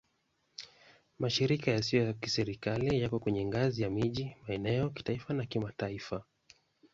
Mashirika yasiyo ya Kiserikali yako kwenye ngazi ya miji, maeneo, kitaifa na kimataifa.